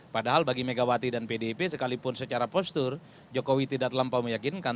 padahal bagi megawati dan pdip sekalipun secara postur jokowi tidak terlampau meyakinkan